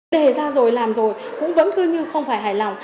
đề ra rồi làm rồi cũng vẫn cứ như không phải hài lòng